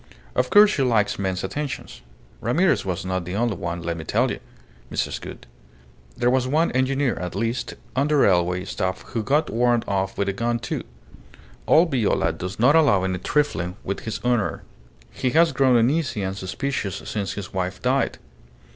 Of course she likes men's attentions. Ramirez was not the only one, let me tell you, Mrs. Gould. There was one engineer, at least, on the railway staff who got warned off with a gun, too. Old Viola does not allow any trifling with his honour. He has grown uneasy and suspicious since his wife died.